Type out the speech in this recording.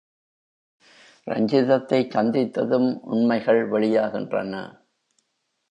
ரஞ்சிதத்தைச் சந்தித்ததும் உண்மைகள் வெளியாகின்றன.